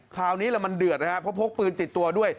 คราวนี้แหละมันเดือดนะครับเพราะพกปืนติดตัวด้วย